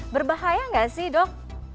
berbahaya gak sih dok